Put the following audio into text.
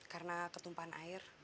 karena ketumpahan air